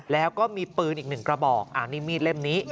แล้วก็มีปืนอีก๑กระบอกอันนี้มีดเล่มนี้